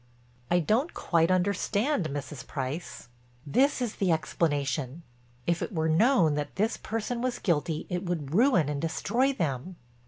"I don't quite understand, Mrs. Price." "This is the explanation. If it were known that this person was guilty it would ruin and destroy them.